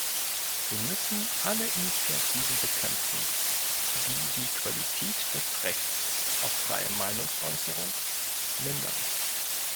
Wir müssen alle Initiativen bekämpfen, die die Qualität des Rechts auf freie Meinungsäußerung mindern.